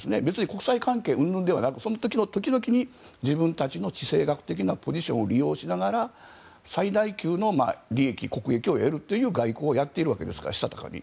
国際関係うんぬんではなくその時の時々に自分たちの地政学的なポジションを利用しながら最大級の国益を得るという外交をやっているわけですからしたたかに。